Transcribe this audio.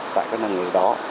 tại các làng nghề đó